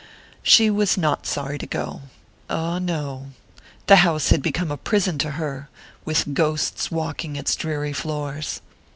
She was not sorry to go ah, no! The house had become a prison to her, with ghosts walking its dreary floors.